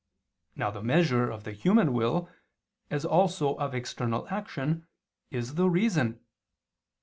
Now the measure of the human will, as also of external action, is the reason.